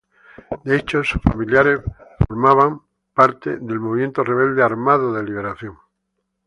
De hecho, sus familiares forman parte del movimiento rebelde Armado de Liberación.